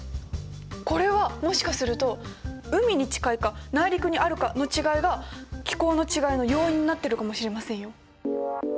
これはもしかすると海に近いか内陸にあるかの違いが気候の違いの要因になってるかもしれませんよ。